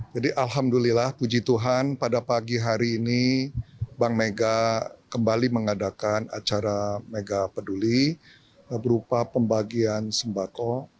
alhamdulillah puji tuhan pada pagi hari ini bank mega kembali mengadakan acara mega peduli berupa pembagian sembako